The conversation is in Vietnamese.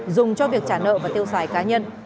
dùng cho việc trả nợ và tiêu xài cá nhân